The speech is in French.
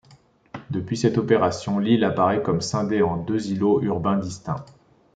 Depuis cette opération, l'île apparaît comme scindée en deux îlots urbains distincts.